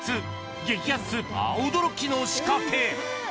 激安スーパー驚きの仕掛け。